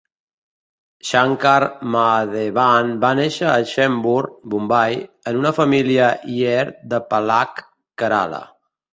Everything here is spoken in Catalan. Shankar Mahadevan va néixer a Chembur, Bombai, en una família lyer de Palakkad, Kerala.